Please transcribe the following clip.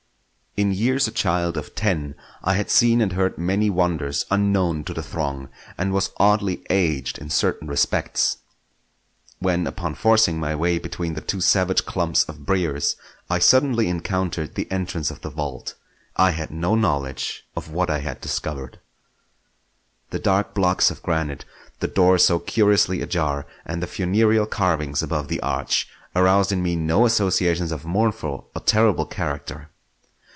In years a child of ten, I had seen and heard many wonders unknown to the throng; and was oddly aged in certain respects. When, upon forcing my way between two savage clumps of briers, I suddenly encountered the entrance of the vault, I had no knowledge of what I had discovered. The dark blocks of granite, the door so curiously ajar, and the funereal carvings above the arch, aroused in me no associations of mournful or terrible character.